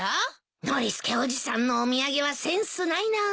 ノリスケおじさんのお土産はセンスないな。